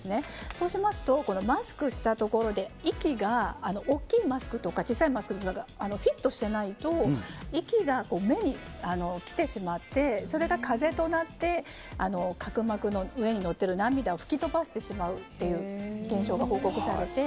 そうしますとマスクをしたところで大きいマスクとか小さいマスクとかフィットしてないと息が目に来てしまってそれが風となって角膜の上に乗っている涙を吹き飛ばしてしまうという現象が報告されて。